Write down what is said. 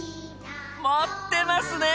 持ってますね！